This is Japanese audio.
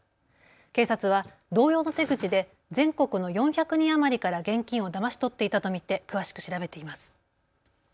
警察は同様の手口で全国の４００人余りから現金をだまし取っていたと見て詳しく調べています。